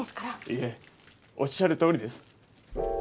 いえおっしゃるとおりです。